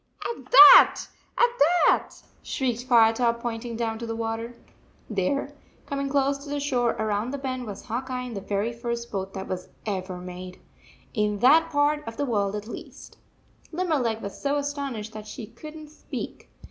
"At that! at that!" shrieked Firetop, pointing down to the water. H5 There, coming close to the shore around the bend, was Hawk Eye in the very first boat that was ever made in that part of the world at least. Limberleg was so astonished that she could n t speak.